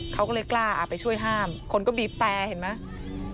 เขาก็เลยกล้าไปช่วยห้ามคนก็บีบแต่เห็นไหม